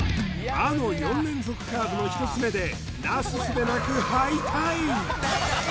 魔の４連続カーブの１つ目でなすすべなく敗退